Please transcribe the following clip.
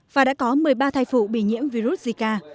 và đã có một mươi ba thai phụ bị nhiễm virus zika